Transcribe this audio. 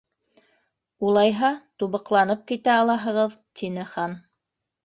—Улайһа, тубыҡланып китә алаһығыҙ! —тине Хан.